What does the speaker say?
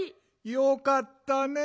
よかったね